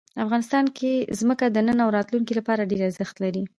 افغانستان کې ځمکه د نن او راتلونکي لپاره ډېر ارزښت لري.